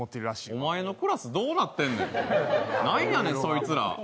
お前のクラスどうなってんの何やねんそいつら。